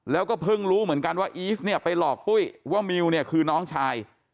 แล้วก็เพิ่งรู้เหมือนกันว่าอีฟเนี่ยไปหลอกปุ้ยว่ามิวเนี่ยคือน้องชาย